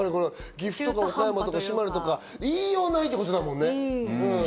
間の岐阜とか岡山とか島根とか、言いようがないってことだもんね。